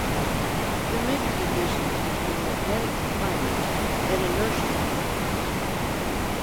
The major division is between magnetic confinement and inertial confinement.